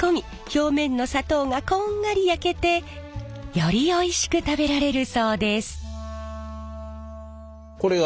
表面の砂糖がこんがり焼けてよりおいしく食べられるそうです。